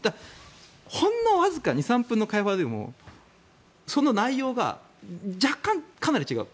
ほんのわずか２３分の会話でもその内容が若干、かなり違う。